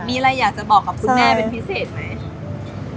มีอะไรอยากจะบอกกับคุณแม่เป็นพิเศษไหม